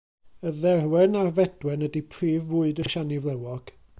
Y dderwen a'r fedwen ydy prif fwyd y siani flewog.